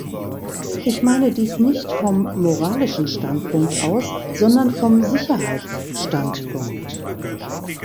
Ich meine dies nicht vom moralischen Standpunkt aus, sondern vom Sicherheitsstandpunkt.